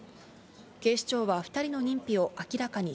警視庁は２人の認否を明らかに